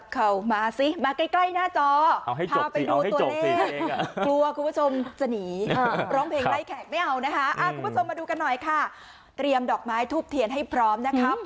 ข่าวต่อไปนี้ขยับ